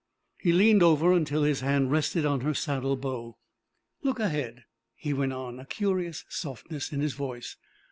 He leaned over until his hand rested on her saddle bow. "Look ahead," he went on, a curious softness in his voice.